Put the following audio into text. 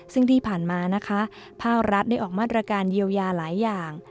ซึ่งที่ผ่านมานะคะภาครัฐได้ออกมาตรการเยียวยาหลายอย่าง